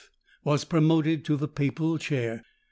was promoted to the papal chair.